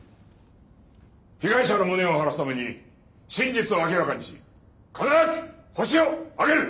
被害者の無念を晴らすために真実を明らかにし必ずホシを挙げる！